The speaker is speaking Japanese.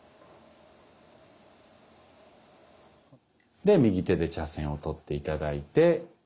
で右手で茶筅を取って頂いて。